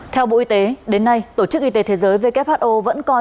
theo bộ y tế đến nay tổ chức y tế thế giới who vẫn coi